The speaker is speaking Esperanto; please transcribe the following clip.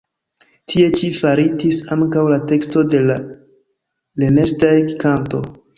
Tie ĉi faritis ankaŭ la teksto de la "Rennsteig-kanto".